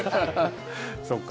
そっか。